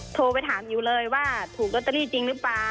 โทรไปถามอิ๋วเลยว่าถูกลอตเตอรี่จริงหรือเปล่า